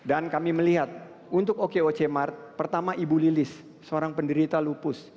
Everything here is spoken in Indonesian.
dan kami melihat untuk okoc mart pertama ibu lilis seorang penderita lupus